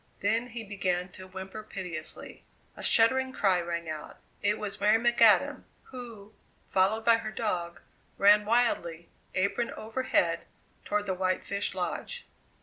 Then he began to whimper piteously. A shuddering cry rang out. It was Mary McAdam, who, followed by her dog, ran wildly, apron over head, toward the White Fish Lodge.